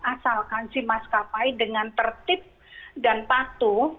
asalkan si maskapai dengan tertib dan patuh